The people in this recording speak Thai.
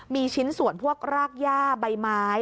มีชิ้นส่วนพวกรากย่าใบไม้